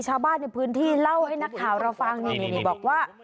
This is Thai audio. ชาวบ้านในพื้นที่เล่าให้นักข่าวเราฟังนี่บอกว่า